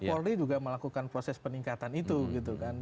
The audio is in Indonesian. polri juga melakukan proses peningkatan itu gitu kan